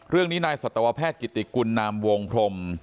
เรื่องนี้นายสัตวแพทย์กิติกุลนามวงพรม